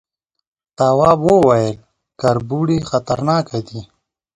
تواب وويل، کربوړي خطرناکه دي.